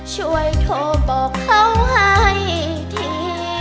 ช่วยโทรบอกเขาให้ที